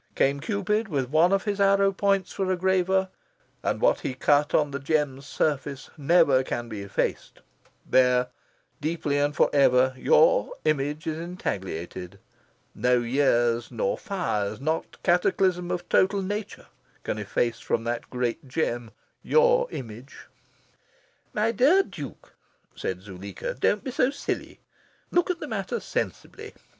Came Cupid, with one of his arrow points for graver, and what he cut on the gem's surface never can be effaced. There, deeply and forever, your image is intagliated. No years, nor fires, nor cataclysm of total Nature, can efface from that great gem your image." "My dear Duke," said Zuleika, "don't be so silly. Look at the matter sensibly.